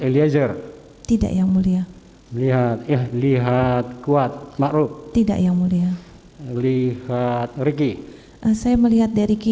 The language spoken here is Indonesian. diazer tidak yang mulia lihat lihat kuat makhluk tidak yang mulia lihat ricky saya melihat dari